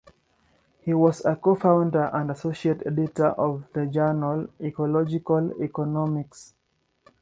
He was a co-founder and associate editor of the journal, "Ecological Economics".